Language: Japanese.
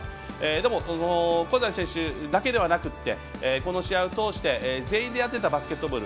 でも、香西選手だけではなくてこの試合を通して全員でやってたバスケットボール。